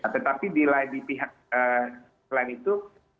tetapi di pihak selain itu